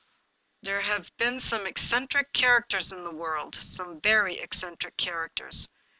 There have been some eccentric characters in the world, some very eccentric characters.